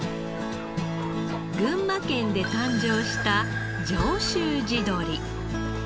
群馬県で誕生した上州地鶏。